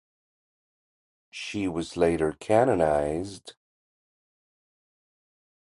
She was later canonized.